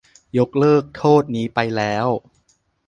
ยกเลิกโทษนี้ไปแล้ว